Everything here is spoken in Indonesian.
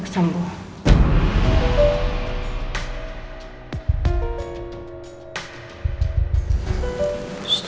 gak ada istri